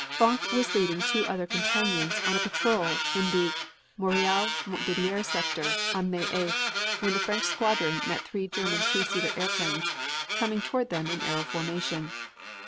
Fonck was leading two other companions on a patrol in the Moreuil Montdidier sector on May 8th, when the French squadron met three German two seater airplanes coming toward them in arrow formation.